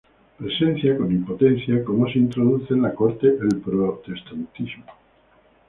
Presencia con impotencia cómo se introduce en la corte el protestantismo.